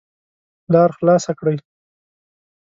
لار خلاصه کړئ